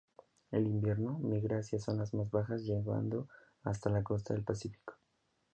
En invierno, migra hacia zonas más bajas llegando hasta la costa del Pacífico.